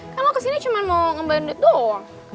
kan lo kesini cuma mau ngembalikan duit doong